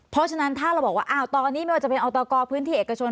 เพราะฉะนั้นถ้าเราบอกว่าอ้าวตอนนี้ไม่ว่าจะเป็นอตกพื้นที่เอกชน